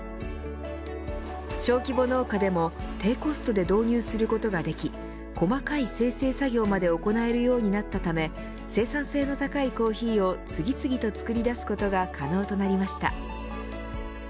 小規模農家でも低コストで導入することができ細かい精製作業まで行えるようになったため生産性の高いコーヒーを次々と作り出すことが可能となりました。